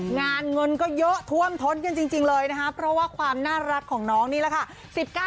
เงินก็เยอะท่วมท้นกันจริงเลยนะคะเพราะว่าความน่ารักของน้องนี่แหละค่ะ